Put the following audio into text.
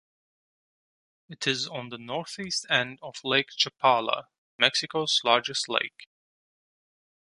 It is on the northeast end of Lake Chapala, Mexico's largest lake.